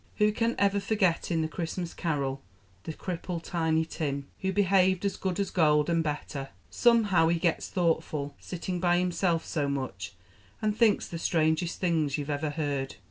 Who can ever forget in the Christmas Carol the crippled Tiny Tim, "who behaved as good as gold and better. Somehow he gets thoughtful, sitting by himself so much, and thinks the strangest things you ever heard.